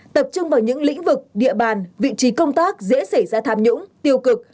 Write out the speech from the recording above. tập trung vào những lĩnh vực địa bàn vị trí công tác dễ xảy ra tham nhũng tiêu cực